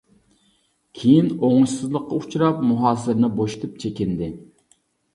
كېيىن ئوڭۇشسىزلىققا ئۇچراپ مۇھاسىرىنى بوشىتىپ چېكىندى.